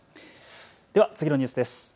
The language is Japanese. では次のニュースです。